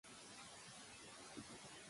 She was steered by a long sweep over the stern.